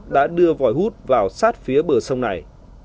đã đưa vòi hút vào sát phía bờ sông này